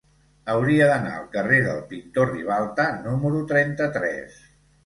Hauria d'anar al carrer del Pintor Ribalta número trenta-tres.